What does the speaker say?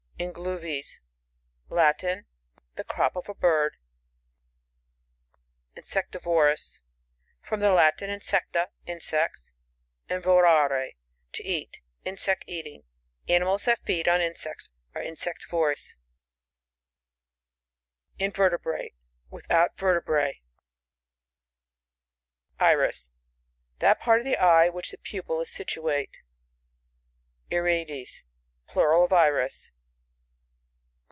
Inoluvies Latin. The crop of a bird. Insectivorous. — From the Latin, tn secta, insects, and vorare, to eat Insect eating. Animals that feed on, insects are insectiv(»rou& Tnyertebrate. — Without vertebr®. Iris. — That part of the eye in which the pupil is situate. Irides. — Plural of Iris.